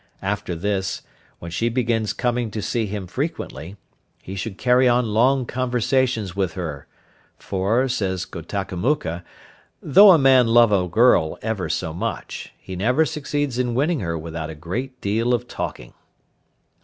After this, when she begins coming to see him frequently, he should carry on long conversations with her, for, says Ghotakamukha, "though a man loves a girl ever so much, he never succeeds in winning her without a great deal of talking."